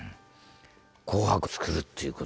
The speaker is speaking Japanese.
「紅白」作るっていうことでね。